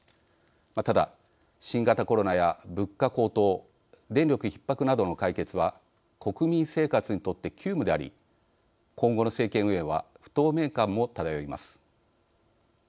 ただ、新型コロナや物価高騰電力ひっ迫などの解決は国民生活にとって急務であり今後の政権運営は不透明感も漂います。